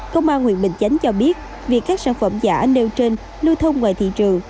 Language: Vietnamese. công an huyện bình chánh cho biết việc các sản phẩm giả nêu trên lưu thông ngoài thị trường